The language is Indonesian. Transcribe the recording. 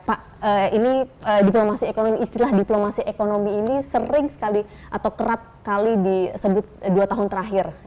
pak ini diplomasi ekonomi istilah diplomasi ekonomi ini sering sekali atau kerap kali disebut dua tahun terakhir